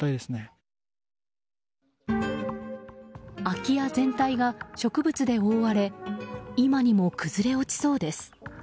空き家全体が植物で覆われ今にも崩れ落ちそうです。